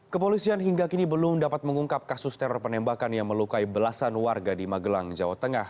kepolisian hingga kini belum dapat mengungkap kasus teror penembakan yang melukai belasan warga di magelang jawa tengah